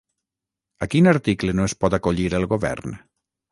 A quin article no es pot acollir el govern?